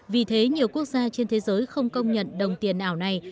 vì thế nhiều quốc gia trên thế giới không công nhận đồng tiền ảo này